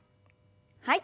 はい。